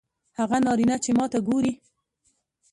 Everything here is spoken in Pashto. هغه نارینه چې ماته ګوري